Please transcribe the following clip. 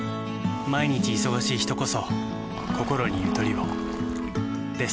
毎日忙しい人こそこころにゆとりをです。